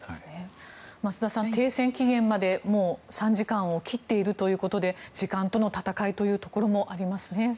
増田さん停戦期限までもう３時間を切っているということで時間との闘いというところもありますね。